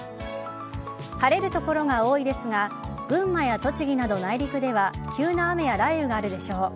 晴れる所が多いですが群馬や栃木など、内陸では急な雨や雷雨があるでしょう。